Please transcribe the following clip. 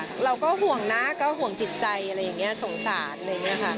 เราก็ห่วงนะก็ห่วงจิตใจอะไรอย่างนี้สงสารอะไรอย่างนี้ค่ะ